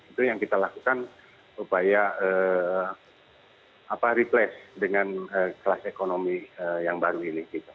itu yang kita lakukan upaya replace dengan kelas ekonomi yang baru ini